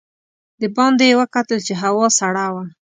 د باندې یې وکتل چې هوا سړه وه.